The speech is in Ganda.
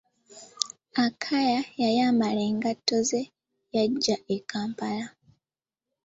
Akaya yayambala engatto ze yaggya e kampala.